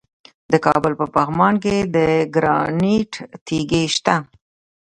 د کابل په پغمان کې د ګرانیټ تیږې شته.